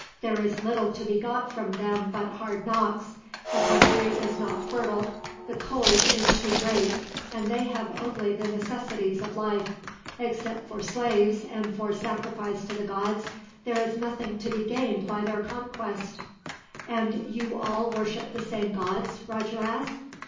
"There is little to be got from them but hard knocks. The country is not fertile, the cold is too great, and they have only the necessities of life. Except for slaves, and for sacrifice to the gods, there is nothing to be gained by their conquest." "And you all worship the same gods?" Roger asked.